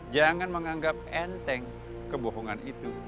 jangan menganggap enteng kebohongan itu